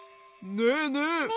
ねえねえ。